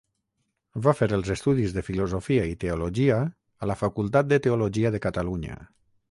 Va fer els estudis de filosofia i teologia a la Facultat de Teologia de Catalunya.